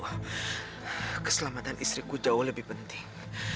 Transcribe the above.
wah keselamatan istriku jauh lebih penting